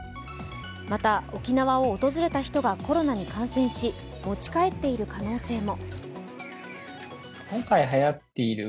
また沖縄を訪れた人がコロナに感染し、持ち帰っている可能性も。